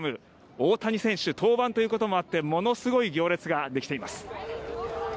大谷選手登板ということもあってものすごい行列ができています。